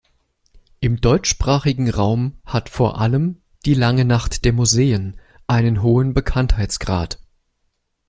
Im deutschsprachigen Raum hat vor allem die Lange Nacht der Museen einen hohen Bekanntheitsgrad.